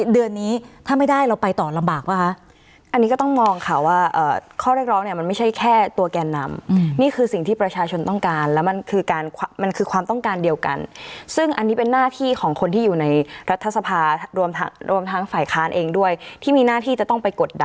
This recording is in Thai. เดือนนี้ถ้าไม่ได้เราไปต่อลำบากป่ะคะอันนี้ก็ต้องมองค่ะว่าข้อเรียกร้องเนี่ยมันไม่ใช่แค่ตัวแกนนำนี่คือสิ่งที่ประชาชนต้องการแล้วมันคือการมันคือความต้องการเดียวกันซึ่งอันนี้เป็นหน้าที่ของคนที่อยู่ในรัฐสภารวมทั้งฝ่ายค้านเองด้วยที่มีหน้าที่จะต้องไปกดดัน